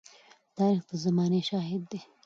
تاریخ د زمانې شاهد دی.